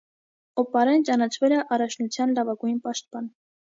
Օպարեն ճանաչվել է առաջնության լավագույն պաշտպան։